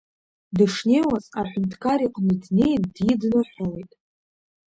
Дышнеиуаз аҳәынҭқар иҟны днеин дидныҳәалеит.